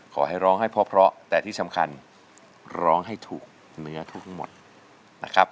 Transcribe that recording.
ขอให้ร้องให้เพราะแต่ที่สำคัญร้องให้ถูกเนื้อทุกหมดนะครับ